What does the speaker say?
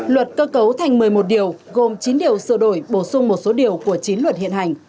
luật cơ cấu thành một mươi một điều gồm chín điều sửa đổi bổ sung một số điều của chính luật hiện hành